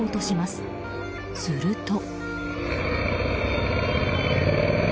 すると。